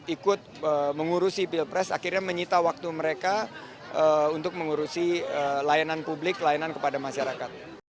ikut mengurusi pilpres akhirnya menyita waktu mereka untuk mengurusi layanan publik layanan kepada masyarakat